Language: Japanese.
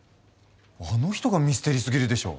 あの人がミステリーすぎるでしょ！